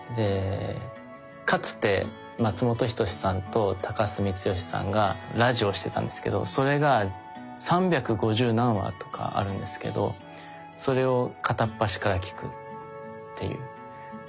かつて松本人志さんと高須光聖さんがラジオをしてたんですけどそれが３５０何話とかあるんですけどそれを片っ端から聴くっていうことをですね